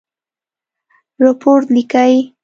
رپوټ لیکئ؟